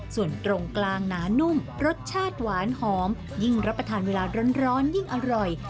ส่วนตรงกลางหนานุ่มรสชาติหวานหอมยิ่งรับประทานเวลาร้อนยิ่งอร่อย